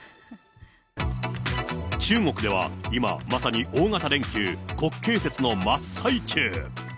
中国では今、まさに大型連休、国慶節の真っ最中。